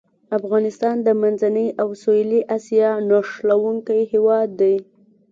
افغانستان د منځنۍ او سویلي اسیا نښلوونکی هېواد دی.